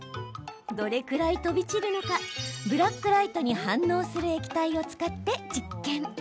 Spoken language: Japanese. どれくらい飛び散るのかブラックライトに反応する液体を使って実験。